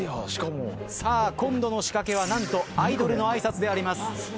さあ今度の仕掛けは何とアイドルの挨拶であります。